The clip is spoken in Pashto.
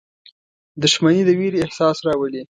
• دښمني د ویرې احساس راولي.